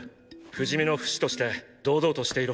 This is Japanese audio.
不死身のフシとして堂々としていろ。